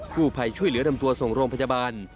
ผู้ภัยช่วยเหลือนำตัวส่งโรงพยาบาล